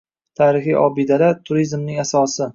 Tarixiy obidalar – turizmning asosi